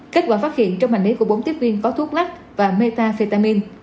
kết quả phát hiện trong hành lý của bốn tiếp viên có thuốc lắc và metafetamin